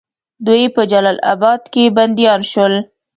دوی په جلال آباد کې بندیان شول.